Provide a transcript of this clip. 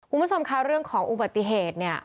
คุณผู้ชมคะเรื่องของอุบัติเหตุเนี่ย